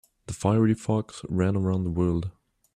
The fiery fox ran around the world.